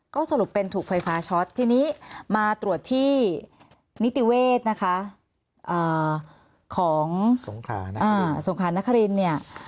ก็สรุปเป็นถูกไฟฟ้าช็อตทีนี้มาตรวจที่นิติเวศสงคลาณคาริน